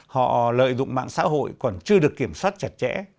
họ lợi dụng mạng xã hội còn chưa được kiểm soát chặt chẽ